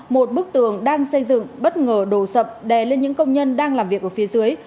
một bức tường đang xây dựng bất ngờ đổ sập đè lên những công nhân đang làm việc ở phía dưới